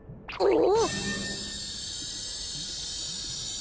お。